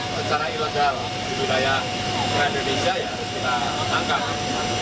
secara ilegal di wilayah indonesia ya kita tangkap